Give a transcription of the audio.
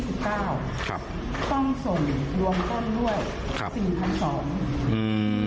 ครับต้องส่งรวมต้นด้วยครับสี่พันสองอืม